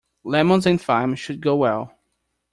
Lemons and thyme should go well.